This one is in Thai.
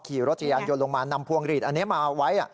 ขี่รถจักรยานยนต์ลงมานำพวงหลีดอันนี้มาไว้